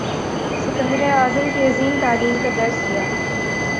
سکندر اعظم کی عظیم تعلیم کا درس لیا